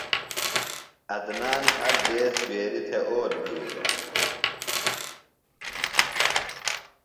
عدنان ہر دیس جُویریۡ تھےۡ اول بھی دےۡ۔